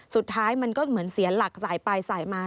สุดท้ายมันก็เหมือนเสียหลักสายไปสายมา